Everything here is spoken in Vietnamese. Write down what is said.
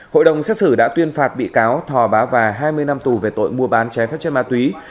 hội đồng xét xử đã tuyên phạt bị cáo thò bá và hai mươi năm tù về tội mua bán trái phép chất ma túy